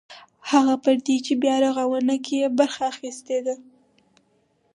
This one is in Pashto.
هغه پردي چې په بیارغاونه کې یې برخه اخیستې ده.